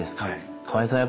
河井さん